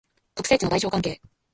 特性値の大小関係